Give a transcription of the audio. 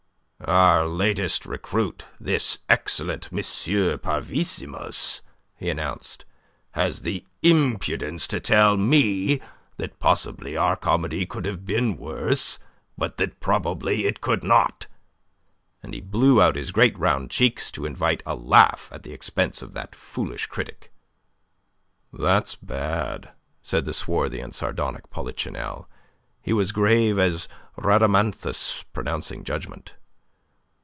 "Our latest recruit, this excellent M. Parvissimus," he announced, "has the impudence to tell me that possibly our comedy could have been worse, but that probably it could not." And he blew out his great round cheeks to invite a laugh at the expense of that foolish critic. "That's bad," said the swarthy and sardonic Polichinelle. He was grave as Rhadamanthus pronouncing judgment.